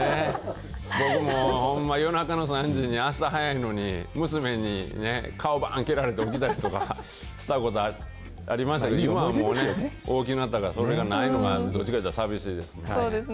僕もほんま、夜中の３時に、あした早いのに、娘に顔ばーん蹴られて起きたりとかしたことありましたけど、今はもう、大きなったから、それがなくなったのが、寂しいですね。